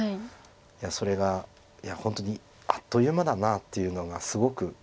いやそれが本当にあっという間だなというのがすごく。